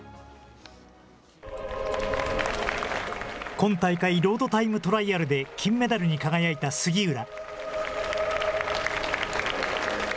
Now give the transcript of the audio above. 今大会ロードタイムトライアルで金メダルに輝いた杉浦。